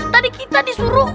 tadi kita disuruh